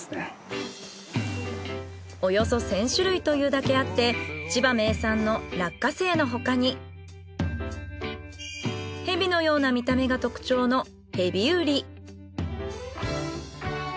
およそ１，０００種類というだけあって千葉名産の落花生の他にヘビのような見た目が特徴のヘビウリ。